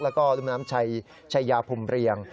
แล้วก็รุ่มน้ำชายาภูมิเรียง